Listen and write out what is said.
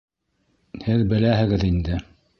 — Һеҙ беләһегеҙ инде.